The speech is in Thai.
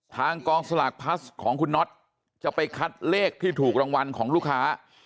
ทางกองสลากพลัสของคุณน็อตจะไปคัดเลขที่ถูกรางวัลของลูกค้า